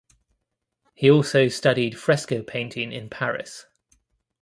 He also studied fresco painting in Paris.